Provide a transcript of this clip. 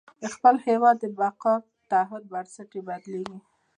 د خپل هېواد د بقا د تعهد بنسټ یې بدلېږي.